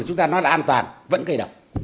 dù chúng ta nói là an toàn vẫn cây đậu